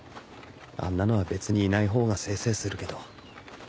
あんなのは別にいない方が清々するけど。